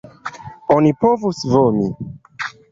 Oni povus vomi.